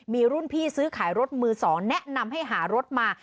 มีรุ่นพี่ซื้อขายรถมือ๒แนะนำให้หารถมา